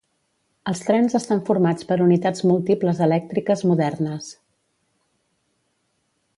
Els trens estan formats per unitats múltiples elèctriques modernes.